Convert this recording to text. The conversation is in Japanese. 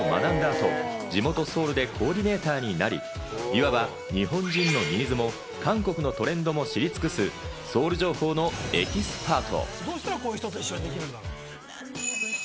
その後、ソウルでコーディネーターになり、日本人のニーズも韓国のトレンドも知るソウル情報のエキスパート。